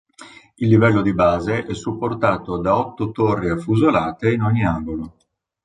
Il livello di base è supportato da otto torri affusolate in ogni angolo.